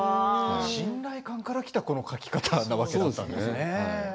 信頼感からきたこの書き方なわけだったんですね。